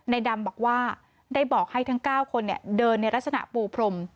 ดำบอกว่าได้บอกให้ทั้ง๙คนเดินในลักษณะปูพรม